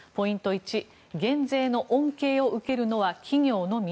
１減税の恩恵を受けるのは企業のみ？